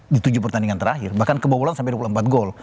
di tujuh pertandingan terakhir bahkan kebobolan sampai dua puluh empat gol